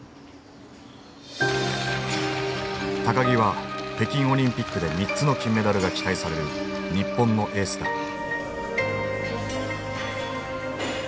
木は北京オリンピックで３つの金メダルが期待される日本のエースだ。